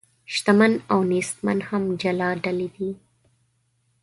شتمن او نیستمن هم جلا ډلې دي.